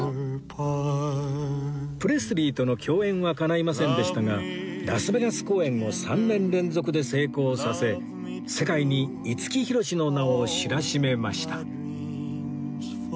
プレスリーとの共演は叶いませんでしたがラスベガス公演を３年連続で成功させ世界に五木ひろしの名を知らしめました